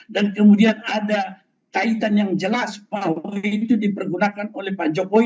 dan kemudian ada kaitan yang jelas bahwa itu dipergunakan oleh pak jokowi